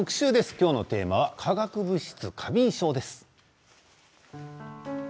今日のテーマは化学物質過敏症です。